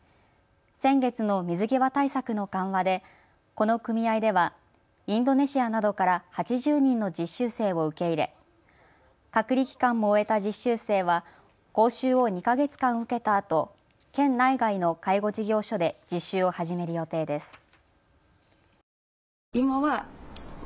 先月の水際対策の緩和でこの組合ではインドネシアなどから８０人の実習生を受け入れ隔離期間も終えた実習生は講習を２か月間受けたあと、県内外の介護事業所で実習を始める予定です。